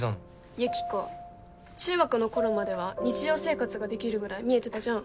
ユキコ中学の頃までは日常生活ができるぐらい見えてたじゃん。